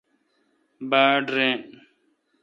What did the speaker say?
باڑ رین۔